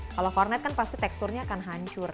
kalau kornet kan pasti teksturnya akan hancur